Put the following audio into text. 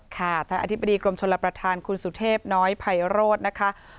ค่ะท่านอธิบดีกรมชลประธานคุณสุเทพน้อยไพโรธนะคะ